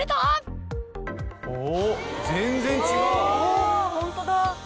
あホントだ。